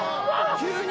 急に。